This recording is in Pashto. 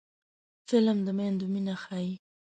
فلم د میندو مینه ښيي